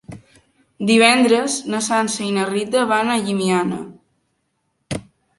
Divendres na Sança i na Rita van a Llimiana.